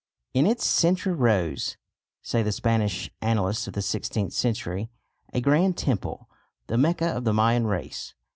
In its centre rose say the Spanish annalists of the sixteenth century a grand temple, the Mecca of the Mayan race.